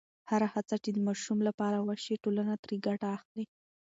هره هڅه چې د ماشوم لپاره وشي، ټولنه ترې ګټه اخلي.